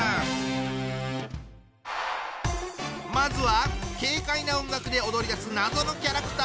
まずは軽快な音楽で踊りだす謎のキャラクター！